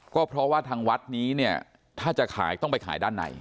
ก็เพราะว่าทางวัดนี้เนี่ยถ้าจะขายต้องไปขายด้านใน